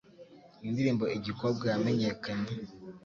Iyi ndirimbo Igikobwa yamenyekanye